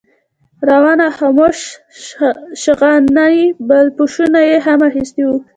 روان او خموش شغناني بالاپوشونه یې هم اخیستي وو.